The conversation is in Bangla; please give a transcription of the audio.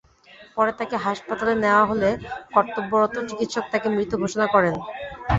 পরে তাঁকে হাসপাতালে নেওয়া হলে কর্তব্যরত চিকিৎসক তাঁকে মৃত ঘোষণা করেন।